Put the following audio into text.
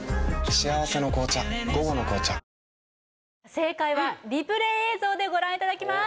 正解はリプレイ映像でご覧いただきます